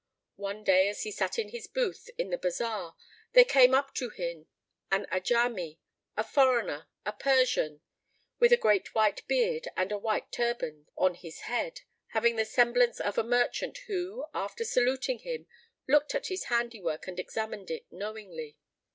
One day, as he sat in his booth in the bazar, there came up to him an 'Ajamí, a foreigner, a Persian, with a great white beard and a white turband[FN#7] on his head, having the semblance of a merchant who, after saluting him, looked at his handiwork and examined it knowingly.